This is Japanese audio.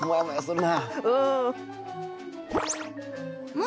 うん。